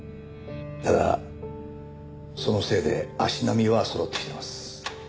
ただそのせいで足並みはそろってきてます。